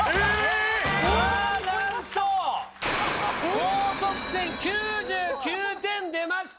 高得点９９点出ました！